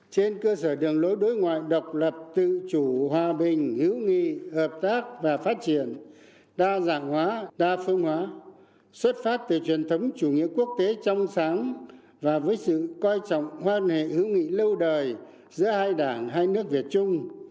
trên cơ sở đường lối đối ngoại độc lập tự chủ hòa bình hữu nghị hợp tác và phát triển đa dạng hóa đa phương hóa xuất phát từ truyền thống chủ nghĩa quốc tế trong sáng và với sự coi trọng quan hệ hữu nghị lâu đời giữa hai đảng hai nước việt trung